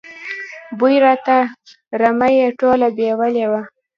بوی راته، رمه یې ټوله بېولې وه.